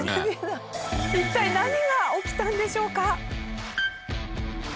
一体何が起きたんでしょうか？